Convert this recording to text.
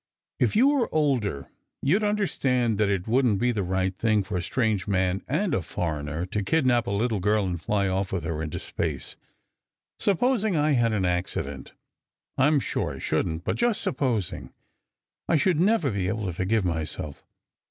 If you were older, you d under stand that it wouldn t be the right thing for a strange man and a * foreigner, to kidnap a little girl and fly off with her into space. Supposing I had an accident? I m sure I shouldn t but just supposing. I should never be able to forgive myself.